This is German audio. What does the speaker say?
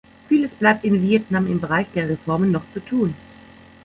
Vieles bleibt in Vietnam im Bereich der Reformen noch zu tun.